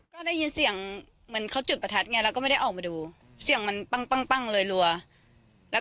แล้วก็เดินออกไปดูอ๋อแล้วก็เลยว่าอ๋อเขายิงกันตรงนั้น